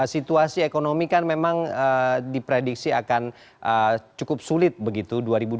situasi ekonomi kan memang diprediksi akan cukup sulit begitu